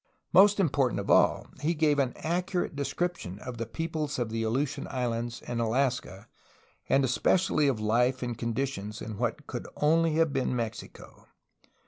Most important of all, he gave an accurate description of the peoples of the Aleutian Islands and Alaska and especially of life and conditions in what could only have been Mexico.